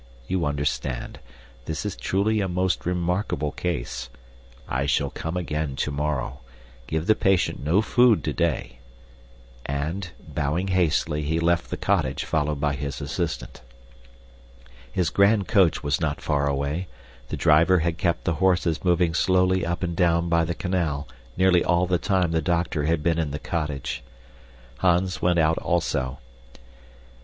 You understand. This is truly a most remarkable case. I shall come again tomorrow. Give the patient no food today," and, bowing hastily, he left the cottage, followed by his assistant. His grand coach was not far away; the driver had kept the horses moving slowly up and down by the canal nearly all the time the doctor had been in the cottage. Hans went out also.